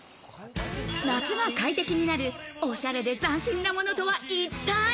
夏が快適になるおしゃれで斬新なものとは一体？